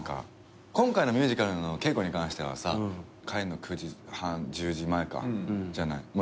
今回のミュージカルの稽古に関してはさ帰んの９時半１０時前じゃない。